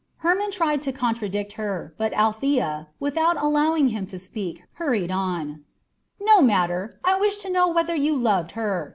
Hermon tried to contradict her, but Althea, without allowing him to speak, went on hurriedly: "No matter! I wished to know whether you loved her.